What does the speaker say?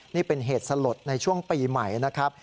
นี่เป็นเหตุสลดในช่วงปีใหม่นะครับ